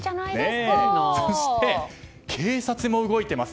そして、警察も動いています。